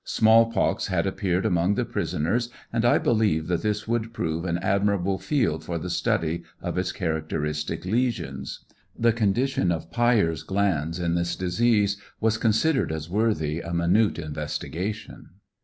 Small pox had appeared among the pris oners, and I believed that this would prove an admirable field for the study of its characteristic lesions. The condition of Peyer's glands in this disease was considered as worthv a minute investigation.